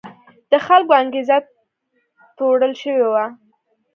د خلکو انګېزه تروړل شوې وه.